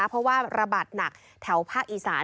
เพราะว่าระบาดหนักแถวภาคอีสาน